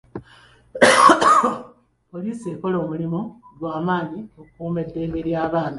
Poliisi ekola omulimu gwa maanyi okukuuma eddembe ly'abaana.